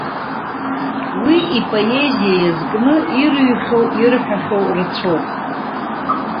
Уи ипоезиа иазкны ирыҩхьоу, ирҳәахьоу рацәоуп.